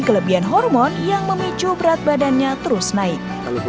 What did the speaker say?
kelebihan hormon yang memicu berat badannya terus naik